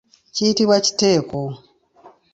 Kiyitibwa kiteeko.